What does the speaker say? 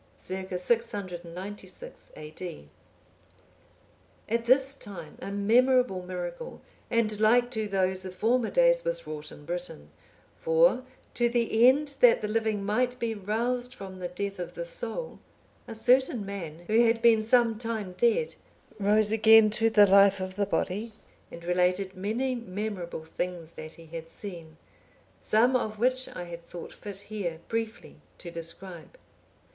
[Circ. 696 A.D.] At this time a memorable miracle, and like to those of former days, was wrought in Britain; for, to the end that the living might be roused from the death of the soul, a certain man, who had been some time dead, rose again to the life of the body, and related many memorable things that he had seen; some of which I have thought fit here briefly to describe.